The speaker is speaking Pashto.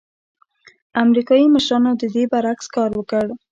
امریکايي مشرانو د دې برعکس کار وکړ.